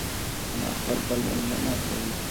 انا خپل لمونځ نه ماتوي.